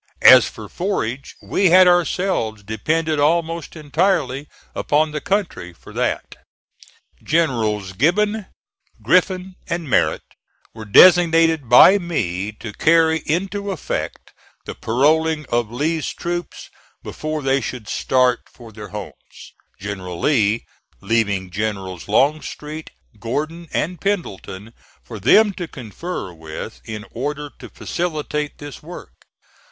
As for forage, we had ourselves depended almost entirely upon the country for that. Generals Gibbon, Griffin and Merritt were designated by me to carry into effect the paroling of Lee's troops before they should start for their homes General Lee leaving Generals Longstreet, Gordon and Pendleton for them to confer with in order to facilitate this work.